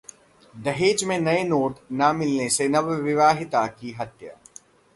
दहेज में नए नोट न मिलने से नवविवाहिता की हत्या